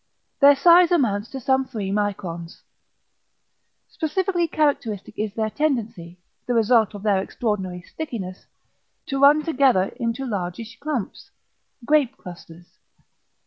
Their size amounts to some 3 µ. Specially characteristic is their tendency, the result of their extraordinary stickiness, to run together into largish clumps, "grape clusters."